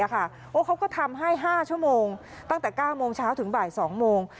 เขาก็ทำให้๕ชั่วโมงตั้งแต่๙โมงเช้าถึงบ่าย๒โมง